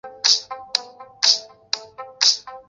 包含小学部和中学部。